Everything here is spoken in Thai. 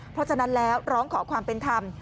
เพราะฉะนั้นแล้วร้องขอความเป็นธรรม